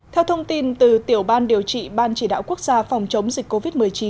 theo thông tin từ tiểu ban điều trị ban chỉ đạo quốc gia phòng chống dịch covid một mươi chín